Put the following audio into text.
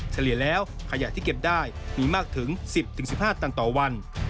เฉลี่ยแล้วขยะที่เก็บได้มีมากถึง๑๐๑๕ตันต่อวัน